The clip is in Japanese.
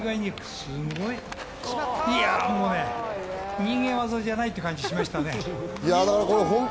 すごい！人間技じゃないって感じがしましたね。